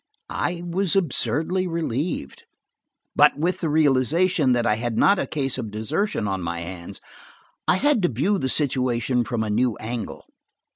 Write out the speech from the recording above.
I was absurdly relieved. But with the realization that I had not a case of desertion on my hands, I had to view the situation from a new angle.